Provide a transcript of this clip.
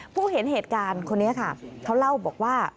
ผู้เห็นเหตุการณ์คนนี้ค่ะเขาเล่าบอกว่า